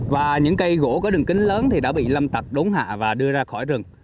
và những cây gỗ có đường kính lớn thì đã bị lâm tặc đốn hạ và đưa ra khỏi rừng